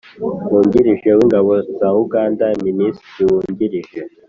wungirije w'ingabo za uganda, minisitiri wungirije